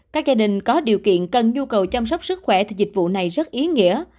các gia đình có điều kiện cần nhu cầu chăm sóc sức khỏe thì dịch vụ này rất ý nghĩa